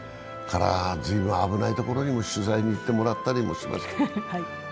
随分危ない所にも取材に行ってもらったりもしました。